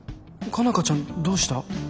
佳奈花ちゃんどうした？